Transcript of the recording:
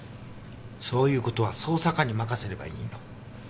そういう事は捜査課に任せればいいの。